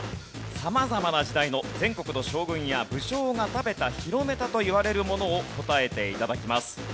様々な時代の全国の将軍や武将が食べた広めたといわれるものを答えて頂きます。